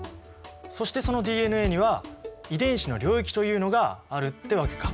そしてそのＤＮＡには遺伝子の領域というのがあるってわけか。